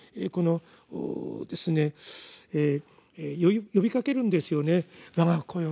この呼びかけるんですよね。